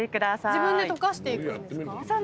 自分で溶かしていくんですか？